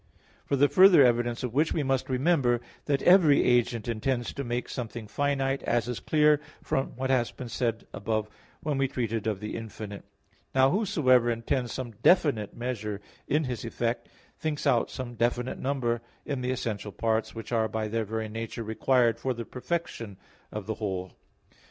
For the further evidence of which we must remember that every agent intends to make something finite, as is clear from what has been said above when we treated of the infinite (Q. 7, AA. 2 ,3). Now whosoever intends some definite measure in his effect thinks out some definite number in the essential parts, which are by their very nature required for the perfection of the whole.